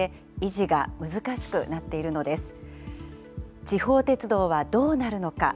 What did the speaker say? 地方鉄道はどうなるのか。